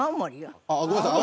ああごめんなさい